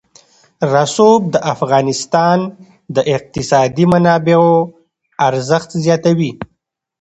رسوب د افغانستان د اقتصادي منابعو ارزښت زیاتوي.